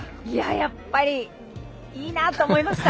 やっぱりいいなと思いました。